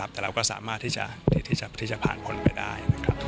แต่เราก็สามารถที่จะผ่านพ้นไปได้